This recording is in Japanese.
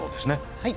はい。